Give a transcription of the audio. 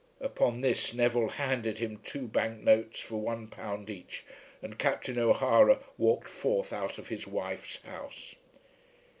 Upon this Neville handed him two bank notes for £1 each, and Captain O'Hara walked forth out of his wife's house.